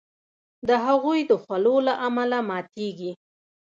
د هغوی د خولو له امله ماتیږي.